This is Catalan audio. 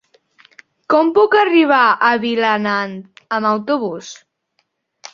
Com puc arribar a Vilanant amb autobús?